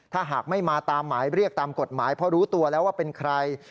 ถ้าหากไม่มาตามหมายเรียกตามกฎหมายเพราะรู้ตัวแล้วว่าเป็นใคร